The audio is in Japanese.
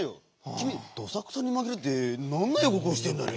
きみどさくさにまぎれてなんのよこくをしてんだね。